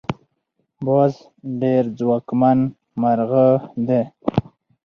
باز ډیر ځواکمن مرغه دی